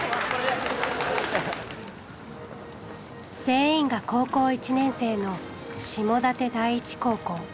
全員が高校１年生の下館第一高校。